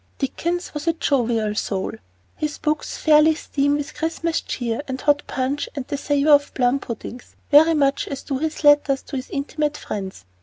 Dickens was a jovial soul. His books fairly steam with Christmas cheer and hot punch and the savor of plum puddings, very much as do his letters to his intimate friends.